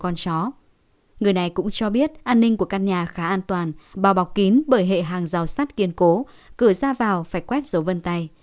người này cũng cho biết an ninh của căn nhà khá an toàn bào bọc kín bởi hệ hàng rào sắt kiên cố cửa ra vào phải quét dấu vân tay